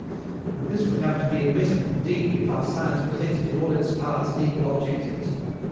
And this would have to be admitted, indeed, if our science presented in all its parts an equal objectivity.